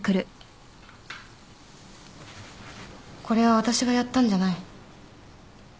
これは私がやったんじゃない。